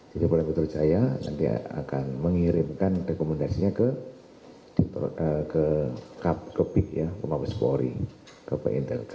jadi polres metro jaya nanti akan mengirimkan rekomendasinya ke pihak kepolisian ya ke makas polri ke pa satu ratus dua belas